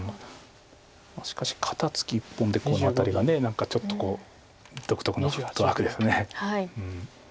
しかし肩ツキ１本でこのあたりが何かちょっとこう独特のフットワークです。